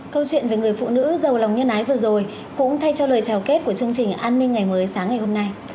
câu chuyện về người phụ nữ giàu lòng nhân ái vừa rồi cũng thay cho lời chào kết của chương trình an ninh ngày mới sáng ngày hôm nay